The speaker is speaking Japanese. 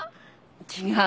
違う。